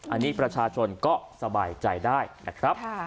อันนี้ประชาชนก็สบายใจได้นะครับ